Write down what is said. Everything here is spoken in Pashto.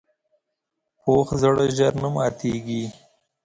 پوخ زړه ژر نه ماتیږي